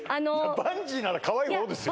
バンジーならかわいい方ですよ